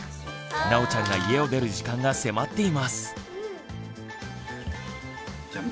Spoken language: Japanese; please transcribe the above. なおちゃんが家を出る時間が迫っています。